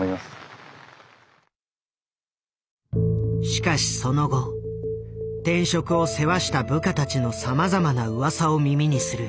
しかしその後転職を世話した部下たちのさまざまなうわさを耳にする。